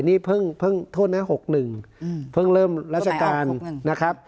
นี่เพิ่งโทษนะ๖๑เพิ่งเริ่มราชการนะครับ